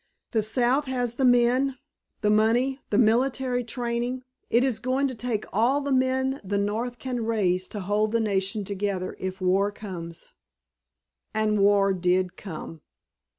The South has the men, the money, the military training. It is going to take all the men the North can raise to hold the nation together if war comes." And war did come.